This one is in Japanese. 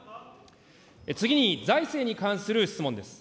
次に財政に関する質問です。